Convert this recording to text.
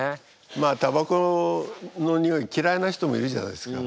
まあたばこのにおいきらいな人もいるじゃないですか。